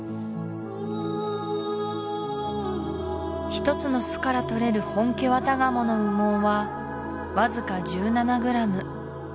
１つの巣から取れるホンケワタガモの羽毛はわずか１７ｇ